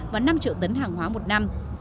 và năm triệu tấn hàng hóa một năm